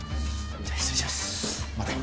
じゃあ失礼します